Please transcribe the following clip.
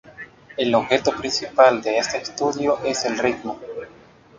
El objeto principal de este estudio es el ritmo.